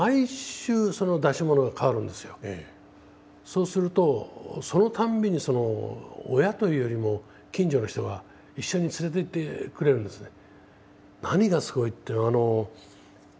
そうするとそのたんびに親というよりも近所の人が一緒に連れていってくれるんですね。